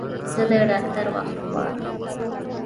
زه د ډاکټر وخت غواړم